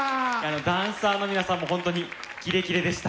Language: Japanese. ダンサーの皆さんも本当にキレキレでした。